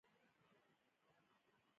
بانک د کورنیو لپاره د سپما کلتور رامنځته کوي.